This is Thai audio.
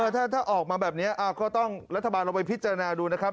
ถ้าออกมาแบบนี้ก็ต้องรัฐบาลเราไปพิจารณาดูนะครับ